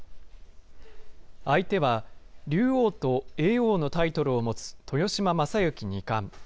相手は、竜王と叡王のタイトルを持つ豊島将之二冠。